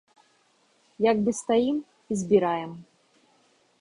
Як бы стаім і збіраем.